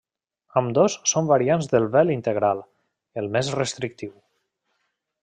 Ambdós són variants del vel integral, el més restrictiu.